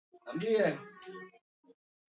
cha joto unyevunyevu na kadhalika